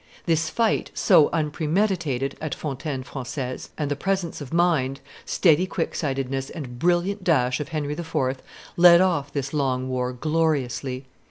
] This fight, so unpremeditated, at Fontaine Francaise, and the presence of mind, steady quicksightedness, and brilliant dash of Henry IV., led off this long war gloriously.